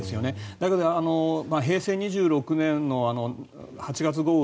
だけど、平成２６年の８月豪雨